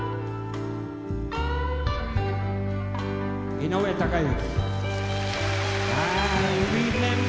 井上堯之！